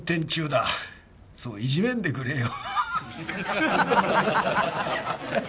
そういじめんでくれよ。